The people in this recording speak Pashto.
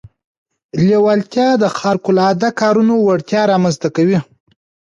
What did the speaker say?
لېوالتیا د خارق العاده کارونو وړتيا رامنځته کوي.